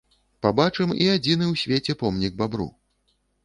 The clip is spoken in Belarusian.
Пабачым і адзіны ў свеце помнік бабру!